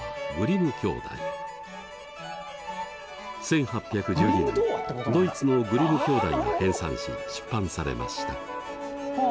１８１２年ドイツのグリム兄弟が編さんし出版されました。